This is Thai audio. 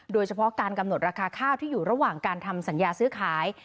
โดยเฉพาะการกำหนดราคาข้าวที่อยู่ระหว่างการทำสัญญาซื้อขาย